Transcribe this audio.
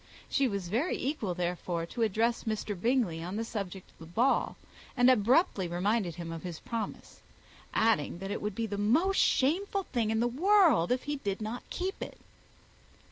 She was very equal, therefore, to address Mr. Bingley on the subject of the ball, and abruptly reminded him of his promise; adding, that it would be the most shameful thing in the world if he did not keep it.